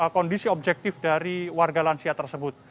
kondisi objektif dari warga lansia tersebut